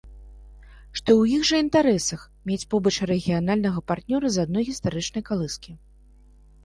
Што ў іх жа інтарэсах мець побач рэгіянальнага партнёра з адной гістарычнай калыскі.